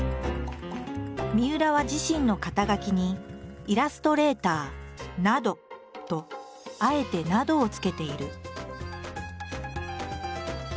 みうらは自身の肩書に「イラストレーターなど」とあえて「など」を付けている。